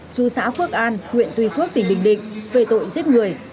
chú xã phước an huyện tuy phước tỉnh bình định về tội giết người